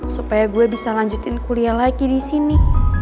supaya gue bisa lanjutin kuliah lagi disini